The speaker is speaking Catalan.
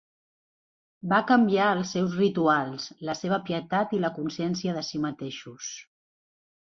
Va canviar els seus rituals, la seva pietat i la consciència de si mateixos.